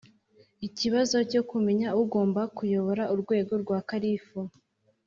ikibazo cyo kumenya ugomba kuyobora urwego rwa kalifu